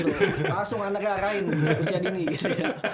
langsung aneg anegain usia dini gitu ya